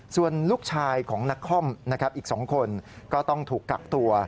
ส่วนลูกชายของนักคอมนะครับอีก๒คนก็ต้องถูกกักตัว